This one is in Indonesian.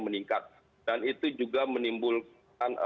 meningkat dan itu juga menimbulkan